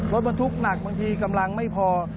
รถบรรทุกหนักบางทีกำลังไม่พอ